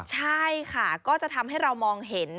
ใช่ค่ะก็จะทำให้เรามองเห็น